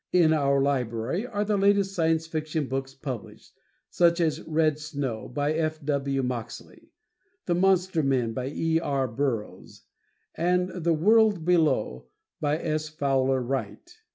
In our library are the latest Science Fiction books published, such as "Red Snow," by F. W. Moxley, "The Monster Men," by E. R. Burroughs and "The World Below," by S. Fowler Wright.